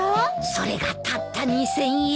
それがたった２，０００円。